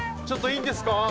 ちょっといいんですか？